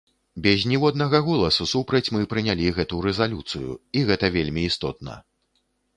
Без ніводнага голасу супраць мы прынялі гэту рэзалюцыю і гэта вельмі істотна.